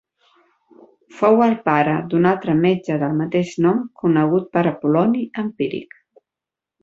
Fou el pare d'un altre metge del mateix nom conegut per Apol·loni Empíric.